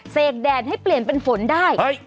กแดดให้เปลี่ยนเป็นฝนได้